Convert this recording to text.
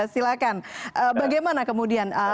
silakan bagaimana kemudian